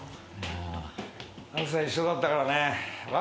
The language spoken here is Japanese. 朝一緒だったからね。